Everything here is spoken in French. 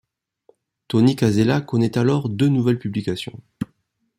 Tony Casella connaît alors deux nouvelles publications.